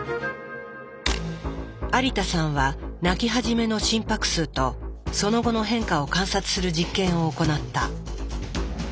有田さんは泣き始めの心拍数とその後の変化を観察する実験を行った。